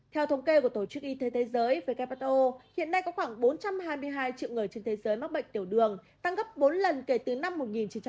theo thống kê của tổ chức y tế thế giới who hiện nay có khoảng bốn trăm hai mươi hai triệu người trên thế giới mắc bệnh tiểu đường tăng gấp bốn lần kể từ năm một nghìn chín trăm chín mươi